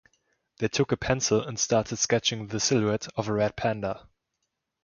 They took a pencil and started sketching the silhouette of a red panda.